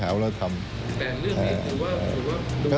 สวัสดีครับทุกคน